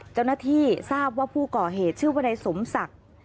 เจ้าหน้าที่ทราบว่าผู้ก่อเหตุชื่อวนายสมศักดิ์